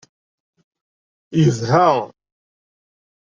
Yebha.